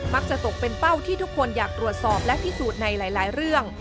ตกเป็นเป้าที่ทุกคนอยากตรวจสอบและพิสูจน์ในหลายเรื่อง